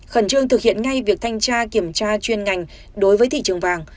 khẩn trương thực hiện ngay việc thanh tra kiểm tra chuyên ngành đối với thị trường vàng